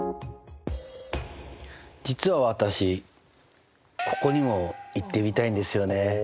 実は私ここにも行ってみたいんですよね。